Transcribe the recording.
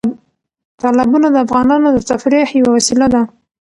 تالابونه د افغانانو د تفریح یوه وسیله ده.